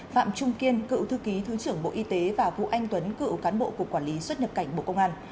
phạm trung kiên cựu thư ký thứ trưởng bộ y tế và vũ anh tuấn cựu cán bộ cục quản lý xuất nhập cảnh bộ công an